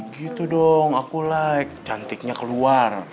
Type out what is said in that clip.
gitu dong aku like cantiknya keluar